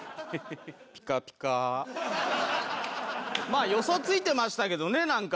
まあ予想ついてましたけどねなんかね。